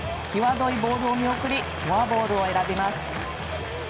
きわどいボールを見送りフォアボールを選びます。